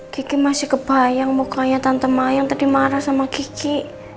kiki masih kebayang mukanya tante mayang tadi marah sama gigi